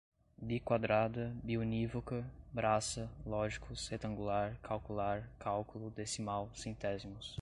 biquadrada, biunívoca, braça, lógicos, retangular, calcular, cálculo, decimal, centésimos